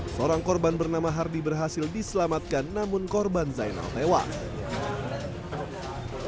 seorang korban bernama hardy berhasil diselamatkan namun korban zainal tewas